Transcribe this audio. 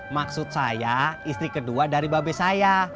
maksud saya istri kedua dari babe saya